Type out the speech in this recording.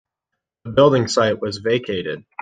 The building site was vacated.